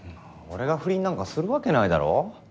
俺が不倫なんかするわけないだろ。